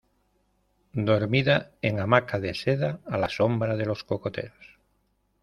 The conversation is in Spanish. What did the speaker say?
dormida en hamaca de seda, a la sombra de los cocoteros!